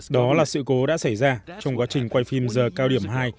đó là sự cố đã xảy ra trong quá trình quay phim giờ cao điểm hai